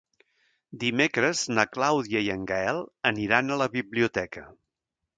Dimecres na Clàudia i en Gaël aniran a la biblioteca.